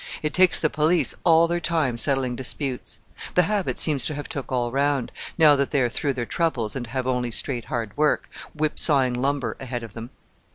It takes the police all their time settling disputes. The habit seems to have took all round, now that they are through their troubles and have only straight hard work, whip sawing lumber, ahead of them.